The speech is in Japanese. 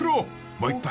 もう一杯］